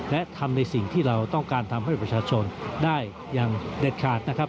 และทำในสิ่งที่เราต้องการทำให้ประชาชนได้อย่างเด็ดขาดนะครับ